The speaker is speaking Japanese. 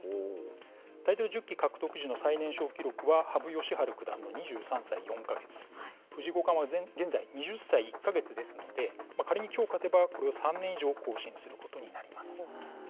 タイトル１０期獲得時の最年少記録は、羽生善治九段の２３歳４か月、藤井五冠は現在２０歳１か月ですので、仮にきょう勝てば、３年以上更新することになります。